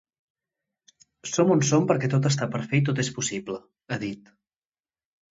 “Som on som perquè tot està per fer i tot és possible”, ha dit.